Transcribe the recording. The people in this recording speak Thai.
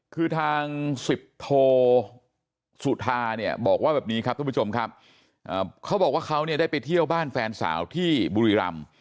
คือทางสิบโทสุธาเนี่ยบอกว่าแบบนี้ครับทุกผู้ชมครับเขาบอกว่าเขาเนี่ยได้ไปเที่ยวบ้านแฟนสาวที่บุรีรำ